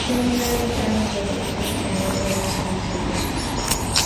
Children run through the streets carrying lit torches.